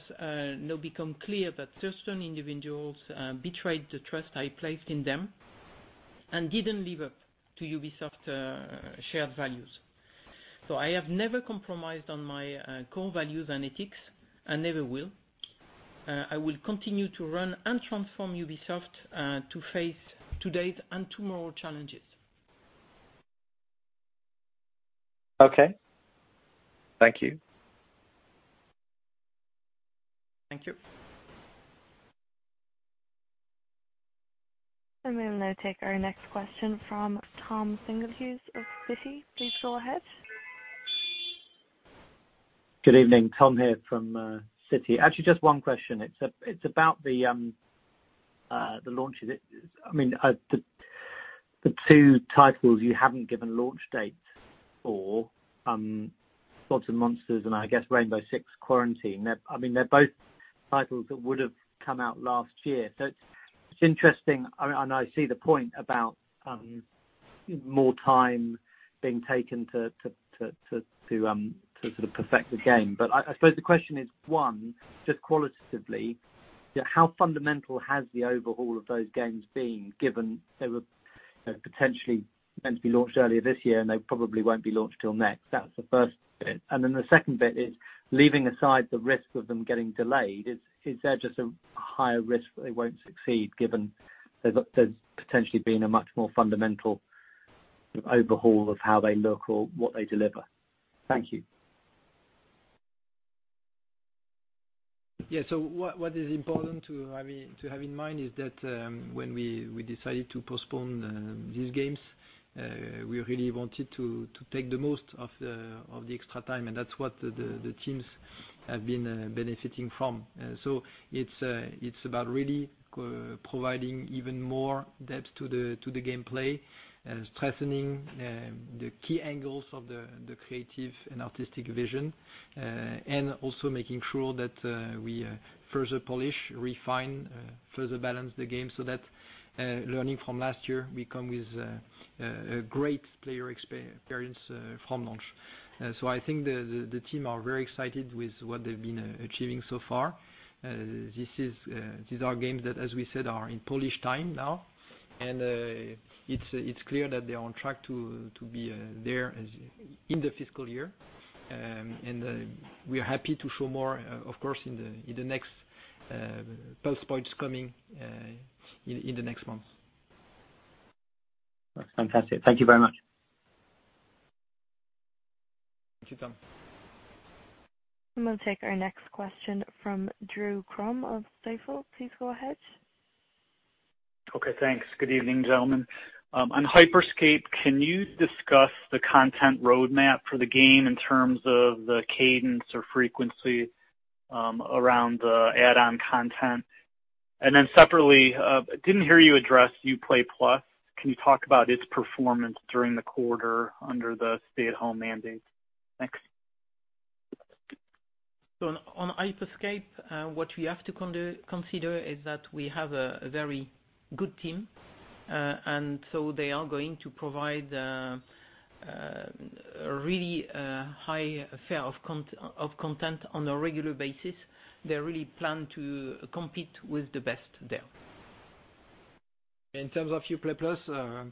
now become clear that certain individuals betrayed the trust I placed in them and didn't live up to Ubisoft shared values. I have never compromised on my core values and ethics, and never will. I will continue to run and transform Ubisoft to face today's and tomorrow's challenges. Okay. Thank you. Thank you. We will now take our next question from Tom Singlehurst of Citi. Please go ahead. Good evening. Tom here from Citi. Actually, just one question. It's about the launch of the two titles you haven't given launch dates for, Gods & Monsters, and I guess Rainbow Six Quarantine. They're both titles that would have come out last year. It's interesting. More time being taken to sort of perfect the game. I suppose the question is, one, just qualitatively, how fundamental has the overhaul of those games been, given they were potentially meant to be launched earlier this year and they probably won't be launched till next? That's the first bit. The second bit is, leaving aside the risk of them getting delayed, is there just a higher risk that they won't succeed given there's potentially been a much more fundamental overhaul of how they look or what they deliver? Thank you. Yeah. What is important to have in mind is that when we decided to postpone these games, we really wanted to take the most of the extra time, and that's what the teams have been benefiting from. It's about really providing even more depth to the gameplay, strengthening the key angles of the creative and artistic vision, and also making sure that we further polish, refine, further balance the game so that learning from last year, we come with a great player experience from launch. I think the team are very excited with what they've been achieving so far. These are games that, as we said, are in polish time now, and it's clear that they're on track to be there in the fiscal year. We are happy to show more, of course, in the next Pulse Points coming in the next months. That's fantastic. Thank you very much. Thank you, Tom. I'm going to take our next question from Drew Crum of Stifel. Please go ahead. Okay, thanks. Good evening, gentlemen. On Hyper Scape, can you discuss the content roadmap for the game in terms of the cadence or frequency around the add-on content? Separately, didn't hear you address Uplay+. Can you talk about its performance during the quarter under the stay-at-home mandate? Thanks. On Hyper Scape, what we have to consider is that we have a very good team. They are going to provide really high fare of content on a regular basis. They really plan to compete with the best there. In terms of Uplay+,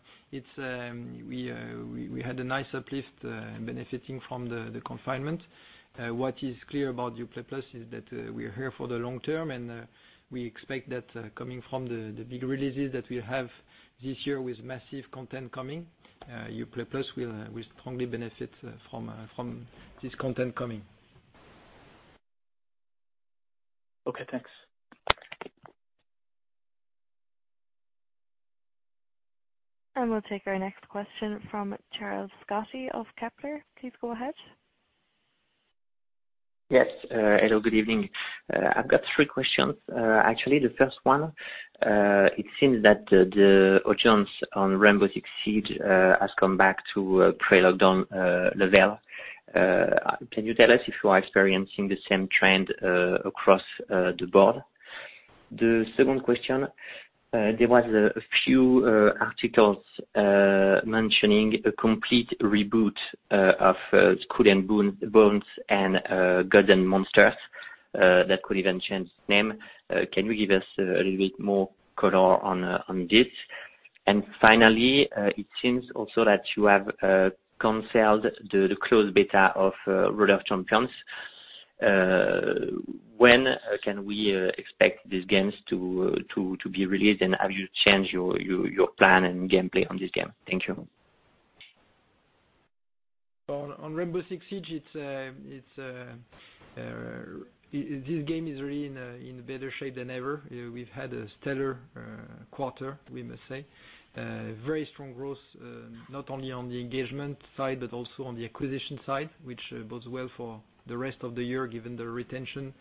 we had a nice uplift benefiting from the confinement. What is clear about Uplay+ is that we are here for the long term, and we expect that coming from the big releases that we have this year with massive content coming, Uplay+ will strongly benefit from this content coming. Okay, thanks. We'll take our next question from Charles Scotti of Kepler. Please go ahead. Yes. Hello, good evening. I've got three questions. Actually, the first one, it seems that the audience on Rainbow Six Siege has come back to pre-lockdown level. Can you tell us if you are experiencing the same trend across the board? The second question, there was a few articles mentioning a complete reboot of Skull and Bones and Gods & Monsters that could even change name. Can you give us a little bit more color on this? Finally, it seems also that you have canceled the closed beta of Roller Champions. When can we expect these games to be released? Have you changed your plan and gameplay on this game? Thank you. On Rainbow Six Siege, this game is really in better shape than ever. We've had a stellar quarter, we must say. Very strong growth, not only on the engagement side, but also on the acquisition side, which bodes well for the rest of the year given the retention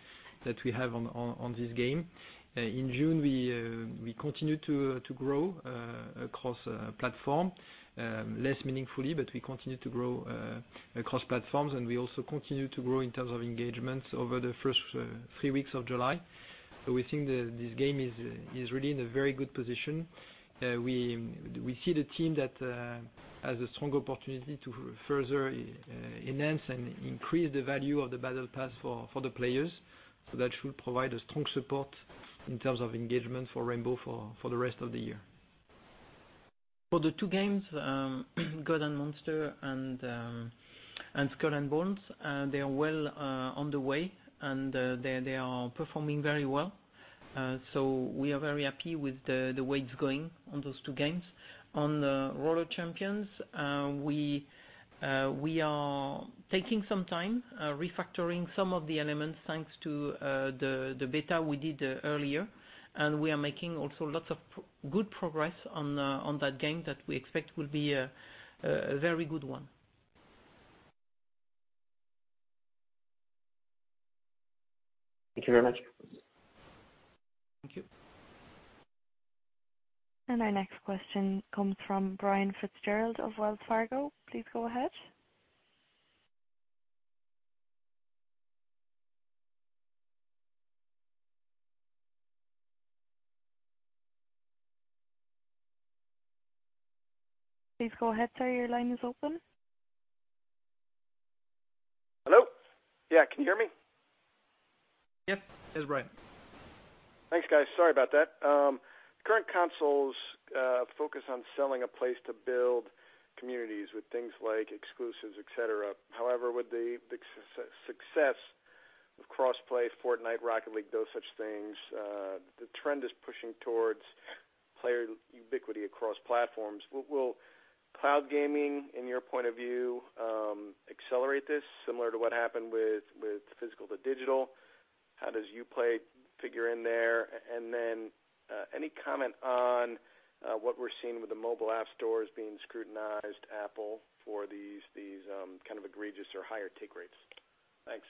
that we have on this game. In June, we continued to grow across platform. Less meaningfully, but we continued to grow across platforms, and we also continued to grow in terms of engagement over the first three weeks of July. We think this game is really in a very good position. We see the team that has a strong opportunity to further enhance and increase the value of the battle pass for the players. That should provide a strong support in terms of engagement for Rainbow for the rest of the year. For the two games, Gods & Monsters and Skull and Bones, they are well on the way, and they are performing very well. We are very happy with the way it's going on those two games. On Roller Champions, we are taking some time refactoring some of the elements thanks to the beta we did earlier, and we are making also lots of good progress on that game that we expect will be a very good one. Thank you very much. Thank you. Our next question comes from Brian Fitzgerald of Wells Fargo. Please go ahead, sir. Your line is open. Hello? Yeah, can you hear me? Yep. This is Brian. Thanks, guys. Sorry about that. Current consoles focus on selling a place to build communities with things like exclusives, et cetera. With the success of cross-play, Fortnite, Rocket League, those such things, the trend is pushing towards player ubiquity across platforms. Will cloud gaming, in your point of view, accelerate this similar to what happened with physical to digital? How does Uplay figure in there? Any comment on what we're seeing with the mobile app stores being scrutinized, Apple, for these kind of egregious or higher take rates? Thanks.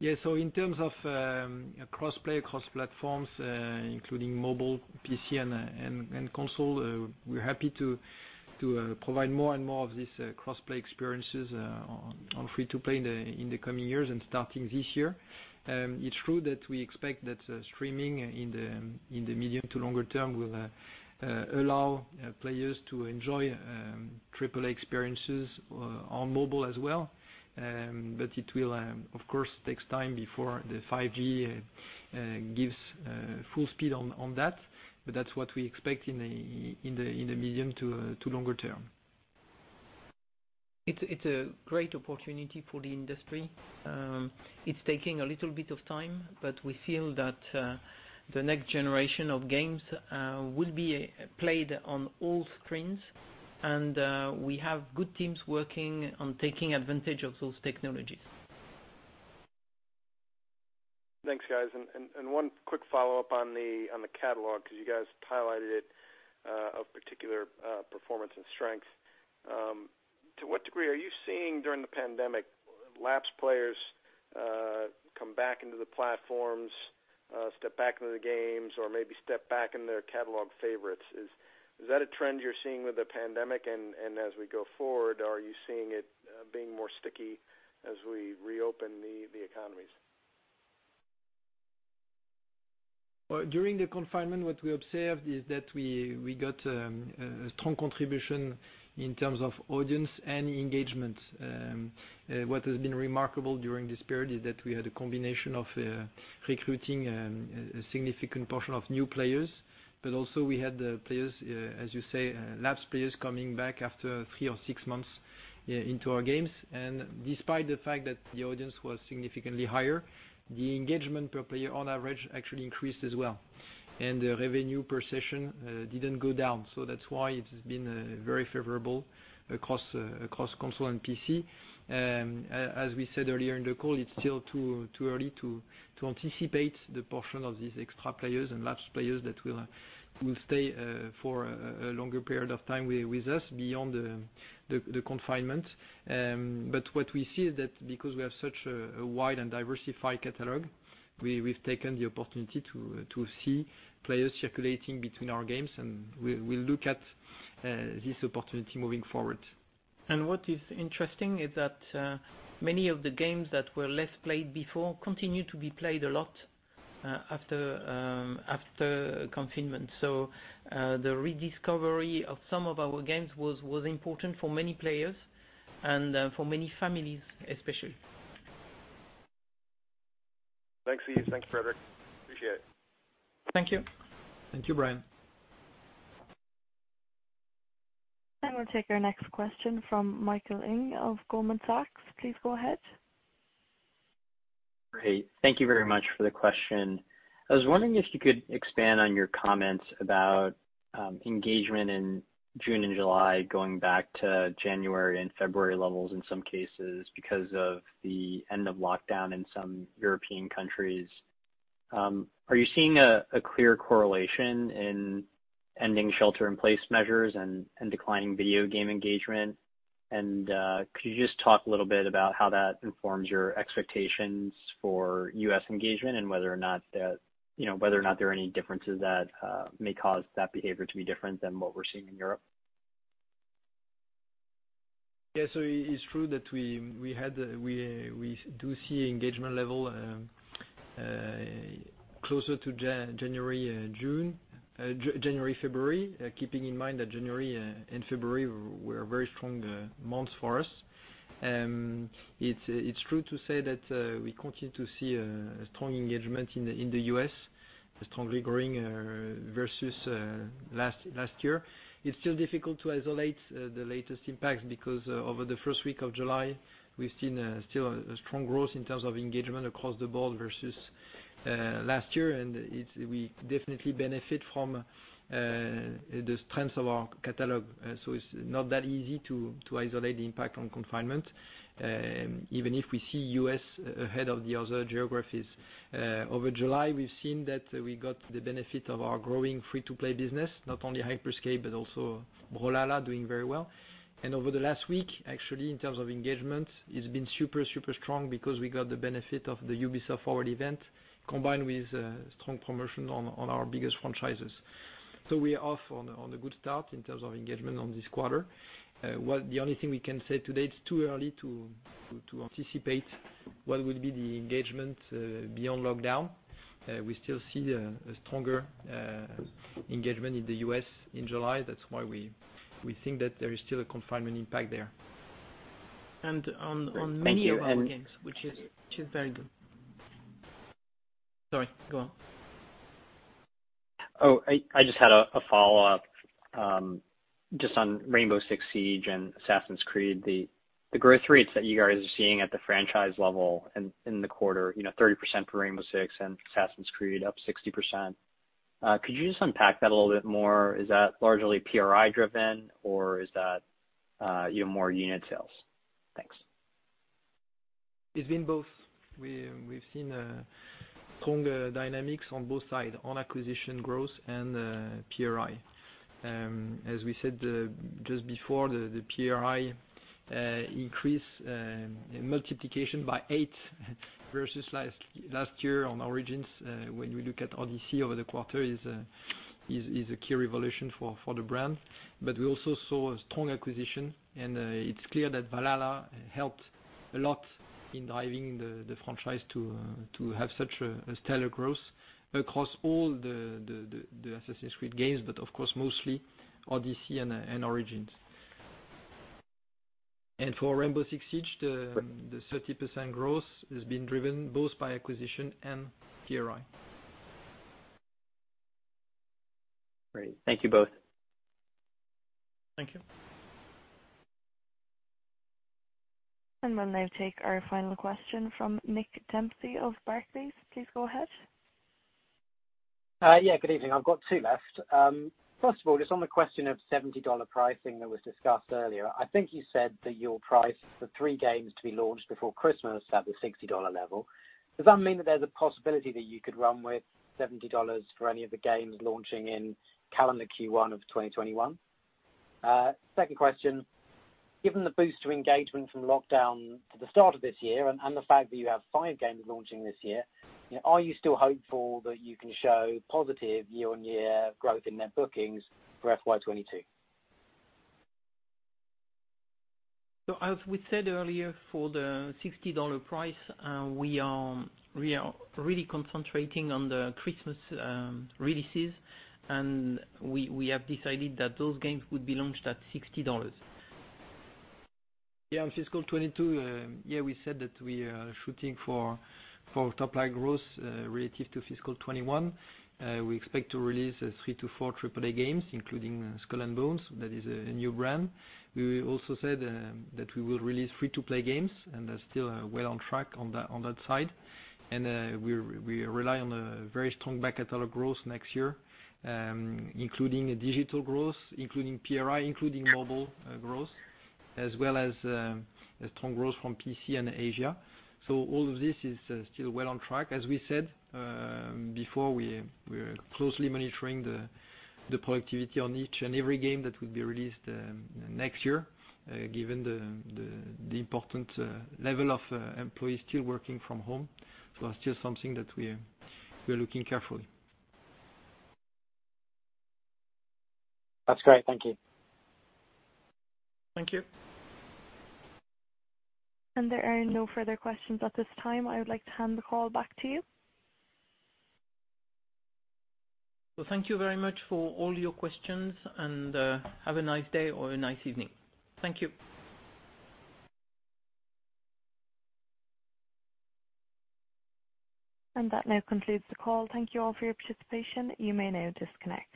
Yeah. In terms of cross-play, cross-platforms, including mobile, PC, and console, we're happy to provide more and more of these cross-play experiences on free-to-play in the coming years and starting this year. It's true that we expect that streaming in the medium to longer term will allow players to enjoy AAA experiences on mobile as well. It will, of course, take time before the 5G gives full speed on that. That's what we expect in the medium to longer term. It's a great opportunity for the industry. It's taking a little bit of time, but we feel that the next generation of games will be played on all screens, and we have good teams working on taking advantage of those technologies. Thanks, guys. One quick follow-up on the catalog, because you guys highlighted it, of particular performance and strength. To what degree are you seeing during the pandemic lapsed players come back into the platforms, step back into the games, or maybe step back into their catalog favorites? Is that a trend you're seeing with the pandemic, and as we go forward, are you seeing it being more sticky as we reopen the economies? During the confinement, what we observed is that we got a strong contribution in terms of audience and engagement. What has been remarkable during this period is that we had a combination of recruiting a significant portion of new players, but also we had the players, as you say, lapsed players coming back after three or six months into our games. Despite the fact that the audience was significantly higher, the engagement per player on average actually increased as well. The revenue per session didn't go down. So that's why it has been very favorable across console and PC. As we said earlier in the call, it's still too early to anticipate the portion of these extra players and lapsed players that will stay for a longer period of time with us beyond the confinement. What we see is that because we have such a wide and diversified catalog, we've taken the opportunity to see players circulating between our games, and we'll look at this opportunity moving forward. What is interesting is that many of the games that were less played before continued to be played a lot after confinement. The rediscovery of some of our games was important for many players and for many families, especially. Thanks, Yves. Thank you, Frédéric. Appreciate it. Thank you. Thank you, Brian. We'll take our next question from Michael Ng of Goldman Sachs. Please go ahead. Great. Thank you very much for the question. I was wondering if you could expand on your comments about engagement in June and July, going back to January and February levels in some cases because of the end of lockdown in some European countries. Are you seeing a clear correlation in ending shelter-in-place measures and declining video game engagement? Could you just talk a little bit about how that informs your expectations for U.S. engagement and whether or not there are any differences that may cause that behavior to be different than what we're seeing in Europe? Yeah, it's true that we do see engagement level closer to January-February, keeping in mind that January and February were very strong months for us. It's true to say that we continue to see a strong engagement in the U.S., strongly growing versus last year. It's still difficult to isolate the latest impacts because over the first week of July, we've seen still a strong growth in terms of engagement across the board versus last year. We definitely benefit from the strength of our catalog. It's not that easy to isolate the impact on confinement, even if we see U.S. ahead of the other geographies. Over July, we've seen that we got the benefit of our growing free-to-play business, not only Hyper Scape, but also Brawlhalla doing very well. Over the last week, actually, in terms of engagement, it's been super strong because we got the benefit of the Ubisoft Forward event combined with strong promotion on our biggest franchises. We are off on a good start in terms of engagement on this quarter. The only thing we can say today, it's too early to anticipate what will be the engagement beyond lockdown. We still see a stronger engagement in the U.S. in July. That's why we think that there is still a confinement impact there. On many of our games, which is very good. Sorry, go on. Oh, I just had a follow-up, just on Rainbow Six Siege and Assassin's Creed. The growth rates that you guys are seeing at the franchise level in the quarter, 30% for Rainbow Six and Assassin's Creed up 60%. Could you just unpack that a little bit more? Is that largely PRI-driven, or is that more unit sales? Thanks. It's been both. We've seen strong dynamics on both sides, on acquisition growth and PRI. As we said just before, the PRI increase multiplication by eight versus last year on Origins. When we look at Odyssey over the quarter, is a key revolution for the brand. We also saw a strong acquisition, and it's clear that Valhalla helped a lot in driving the franchise to have such a stellar growth across all the Assassin's Creed games, but of course, mostly Odyssey and Origins. For Rainbow Six Siege, the 30% growth has been driven both by acquisition and PRI. Great. Thank you both. Thank you. We'll now take our final question from Nick Dempsey of Barclays. Please go ahead. Yeah, good evening. I've got two left. First of all, on the question of EUR 70 pricing that was discussed earlier. I think you said that you'll price the three games to be launched before Christmas at the EUR 60 level. Does that mean that there's a possibility that you could run with EUR 70 for any of the games launching in calendar Q1 of 2021? Second question, given the boost to engagement from lockdown to the start of this year, and the fact that you have five games launching this year, are you still hopeful that you can show positive year-on-year growth in net bookings for FY 2022? As we said earlier, for the EUR 60 price, we are really concentrating on the Christmas releases. We have decided that those games would be launched at EUR 60. Fiscal 2022. We said that we are shooting for top line growth relative to fiscal 2021. We expect to release three to four AAA games, including Skull and Bones. That is a new brand. We also said that we will release free-to-play games, and are still well on track on that side. We rely on a very strong back catalog growth next year, including digital growth, including PRI, including mobile growth, as well as strong growth from PC and Asia. All of this is still well on track. As we said before, we are closely monitoring the productivity on each and every game that will be released next year, given the important level of employees still working from home. That's just something that we are looking carefully. That's great. Thank you. Thank you. There are no further questions at this time. I would like to hand the call back to you. Well, thank you very much for all your questions, and have a nice day or a nice evening. Thank you. That now concludes the call. Thank you all for your participation. You may now disconnect.